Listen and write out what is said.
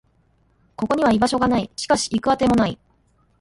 ここには居場所がない。しかし、行く当てもない。